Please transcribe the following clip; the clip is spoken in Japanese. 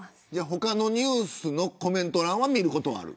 他のニュースのコメント欄は見ることがある。